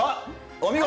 お見事！